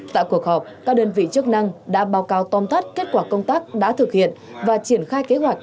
tại cuộc họp các đơn vị chức năng đã báo cáo tôn thất kết quả công tác đã thực hiện và triển khai kế hoạch